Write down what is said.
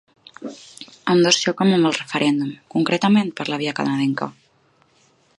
Ambdós xoquen amb el referèndum, concretament per la "via canadenca".